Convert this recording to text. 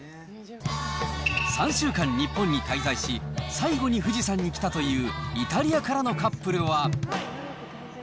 ３週間日本に滞在し、最後に富士山に来たというイタリアからのカップルは。